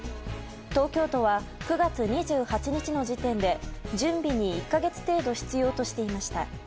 東京都は９月２８日の時点で準備に１か月程度必要としていました。